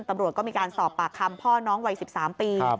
ตำรวจก็มีการสอบปากคำพ่อน้องวัย๑๓ปี